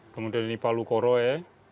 kemudian ini palu koroe